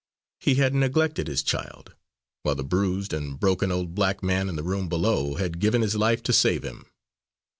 He had neglected his child, while the bruised and broken old black man in the room below had given his life to save him.